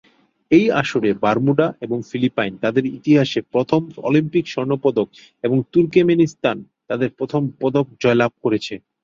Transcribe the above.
এই আসরে বারমুডা এবং ফিলিপাইন তাদের ইতিহাসে প্রথম অলিম্পিক স্বর্ণ পদক এবং তুর্কমেনিস্তান তাদের প্রথম পদক জয়লাভ করেছে।